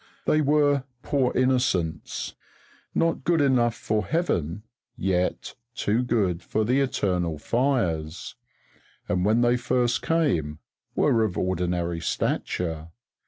They were "poor innocents," not good enough for heaven yet too good for the eternal fires; and when they first came, were of ordinary stature.